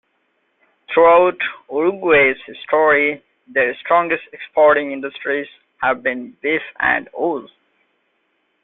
Throughout Uruguay's history, their strongest exporting industries have been beef and wool.